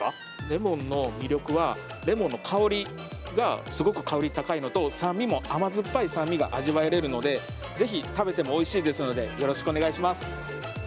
レモンの魅力はレモンの香りがすごく香り高いのと酸味も甘酸っぱい酸味が味わえるのでぜひ食べてもおいしいですのでよろしくお願いします。